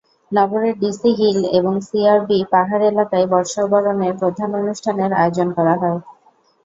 নগরের DC hill এবং CRB পাহাড় এলাকায় বর্ষবরণের প্রধান অনুষ্ঠানের আয়োজন করা হয়।